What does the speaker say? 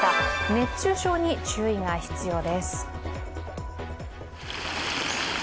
熱中症に注意が必要です。